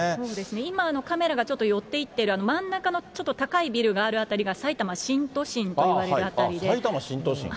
今、カメラがちょっと寄っていってるあの真ん中のちょっと高いビルがある辺りがさいたま新都心といわれる辺りで。